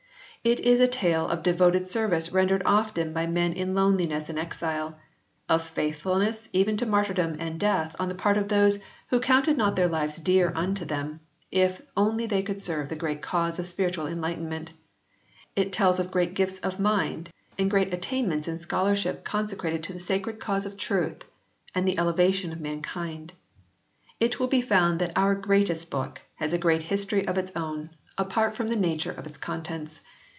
It is a tale of devoted service rendered often by men in loneliness and exile ; of faithfulness even to martyrdom and death on the part of those who counted not their lives dear unto them, if only they could serve the great cause of spiritual enlightenment ; it tells of great gifts of vi PREFACE mind and great attainments in scholarship conse crated to the sacred cause of truth and the elevation of mankind. It will be found that our Greatest Book has a great history of its own, apart from the nature of its contents.